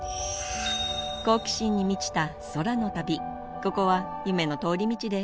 好奇心に満ちた空の旅ここは夢の通り道です